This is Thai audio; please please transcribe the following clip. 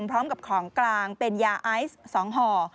พร้อมกับของกลางเป็นยาไอซ์๒ห่อ